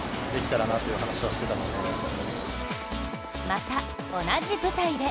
また、同じ舞台で。